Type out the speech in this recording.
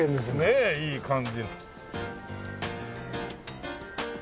ねえいい感じ。